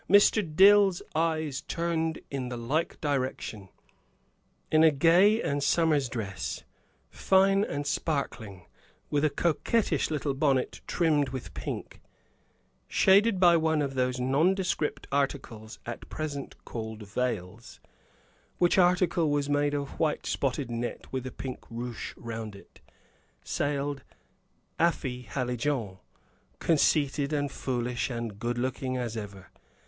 Mr. Dill's eyes turned in the like direction. In a gay and summer's dress, fine and sparkling, with a coquettish little bonnet, trimmed with pink, shaded by one of those nondescript articles at present called veils, which article was made of white spotted net with a pink ruche round it, sailed Afy Hallijohn, conceited and foolish and good looking as ever.